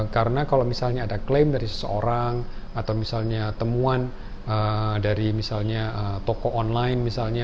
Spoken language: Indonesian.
karena kalau misalnya ada klaim dari seseorang atau misalnya temuan dari misalnya toko online misalnya